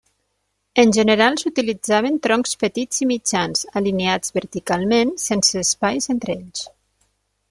En general s'utilitzaven troncs petits i mitjans, alineats verticalment, sense espais entre ells.